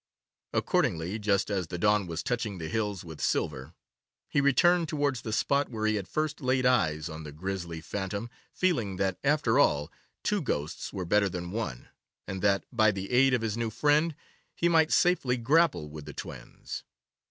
Accordingly, just as the dawn was touching the hills with silver, he returned towards the spot where he had first laid eyes on the grisly phantom, feeling that, after all, two ghosts were better than one, and that, by the aid of his new friend, he might safely grapple with the twins.